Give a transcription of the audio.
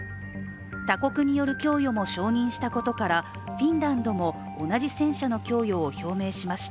他国による供与も承認したことからフィンランドも同じ戦車の供与を表明しました。